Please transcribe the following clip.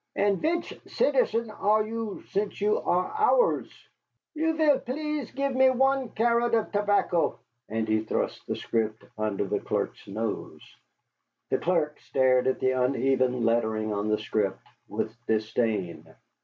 "And vich citizen are you since you are ours? You vill please to give me one carrot of tobacco." And he thrust the scrip under the clerk's nose. The clerk stared at the uneven lettering on the scrip with disdain.